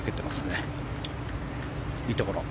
いいところ。